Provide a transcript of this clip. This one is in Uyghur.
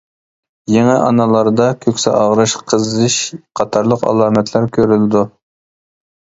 يېڭى ئانىلاردا كۆكسى ئاغرىش، قىزىش قاتارلىق ئالامەتلەر كۆرۈلىدۇ.